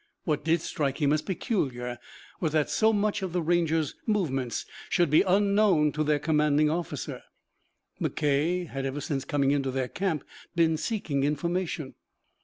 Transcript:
What did strike him as peculiar was that so much of the Rangers' movements should be unknown to their commanding officer. McKay had ever since coming into their camp been seeking information.